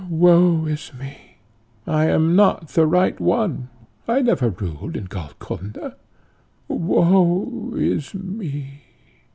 Woe is me! I am not the right one; I never ruled in Golconda. Woe is me!"